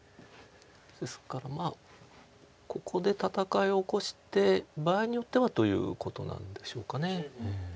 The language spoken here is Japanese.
ですからここで戦いを起こして場合によってはということなんでしょうか。